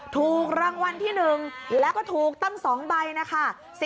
ถูกรางวัลที่๑แล้วก็ถูกตั้ง๒ใบนะคะ